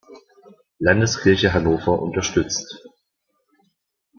Landeskirche Hannover unterstützt.